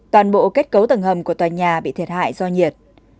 toàn bộ kết cấu tầng hầm của tòa nhà bị thiệt hại do nhiệt